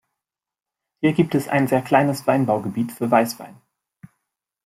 Hier gibt es ein sehr kleines Weinanbaugebiet für Weißwein.